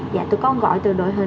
dạ tụi con gọi từ đường hải yến